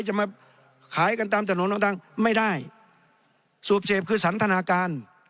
จะมาขายกันตามถนนต่างไม่ได้สูบเสพคือสันทนาการ